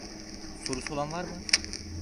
Sorusu olan var mı?